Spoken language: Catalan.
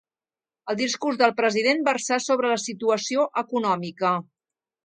El discurs del president versà sobre la situació econòmica.